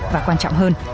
và quan trọng hơn